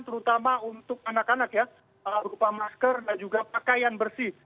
terutama untuk anak anak ya berupa masker dan juga pakaian bersih